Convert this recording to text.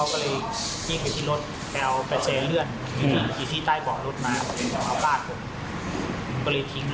พรุ่งจะไปส่งน้องที่หอคมชุมเพราะว่ามารับน้อง